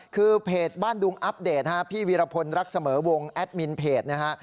คือเพจบ้านดุงอัปเดตพี่วีรพลรักเสมอวงแอดมินเพจนะฮะ